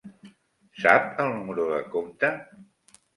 Sap el número de compte?